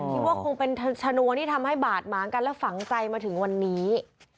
คิดว่าคงเป็นชนวนที่ทำให้บาดหมางกันและฝังใจมาถึงวันนี้